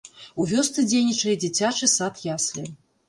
У вёсцы дзейнічае дзіцячы сад-яслі.